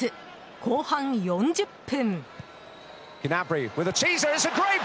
後半４０分。